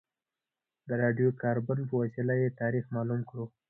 د راډیو کاربن په وسیله یې تاریخ معلوم کړو.